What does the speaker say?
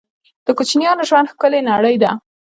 د کوچنیانو ژوند ښکلې نړۍ ده